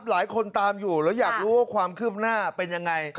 หลายคนตามอยู่แล้วอยากรู้ว่าความคืบหน้าเป็นยังไง